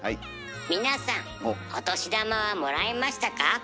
皆さんお年玉はもらいましたか？